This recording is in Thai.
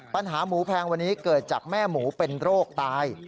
ปัญหาหมูแพงวันนี้เกิดจากแม่หมูเป็นโรคตาย